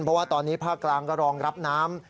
เพราะว่าตอนนี้ภาคกลางก็รองรับน้ำ